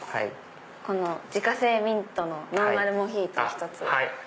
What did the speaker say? この自家製ミントのノンアルモヒート１つ。